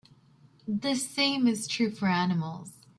The same is true for animals.